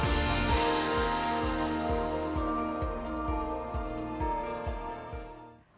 sebenarnya mereka harus membuat karya yang cukup berkualitas